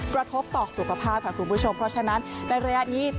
กระทบต่อสุขภาพค่ะคุณผู้ชมเพราะฉะนั้นในระยะนี้